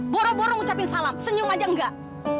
boro boro ngucapin salam senyum aja enggak